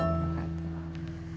waalaikumsalam warahmatullah wabarakatuh